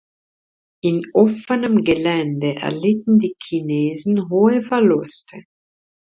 In offenem Gelände erlitten die Chinesen hohe Verluste.